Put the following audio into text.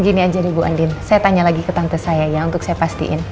gini aja deh bu andin saya tanya lagi ke tante saya ya untuk saya pastiin